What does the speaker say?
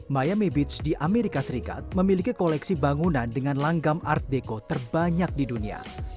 miami beach di amerika serikat memiliki koleksi bangunan dengan langgam art deco terbanyak di dunia